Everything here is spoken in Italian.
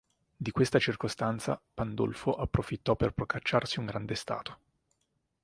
Di questa circostanza Pandolfo approfittò per procacciarsi un grande stato.